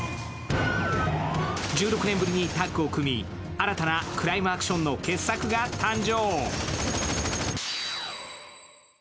１６年ぶりにタッグを組み新たなクライムアクションの傑作が誕生。